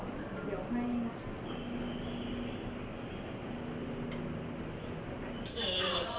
เมื่อเวลาเมื่อเวลา